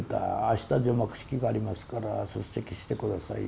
「あした除幕式がありますから出席して下さい」